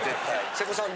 瀬古さん